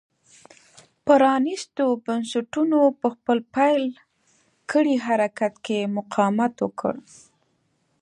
پرانېستو بنسټونو په خپل پیل کړي حرکت کې مقاومت وکړ.